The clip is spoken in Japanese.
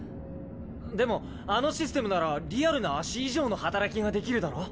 でもあのシステムならリアルな足以上の働きができるだろ？